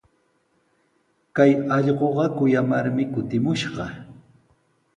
Kay allquqa kuyamarmi kutimushqa.